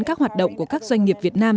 các hoạt động của các doanh nghiệp việt nam